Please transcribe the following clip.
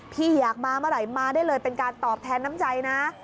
พี่อยากมาเมื่อไหร่มาได้เลยเป็นการตอบแทนน้ำใจนะ